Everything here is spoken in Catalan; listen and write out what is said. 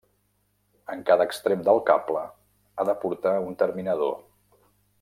En cada extrem del cable ha de portar un terminador.